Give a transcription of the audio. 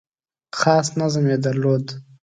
خاص نظم یې درلود .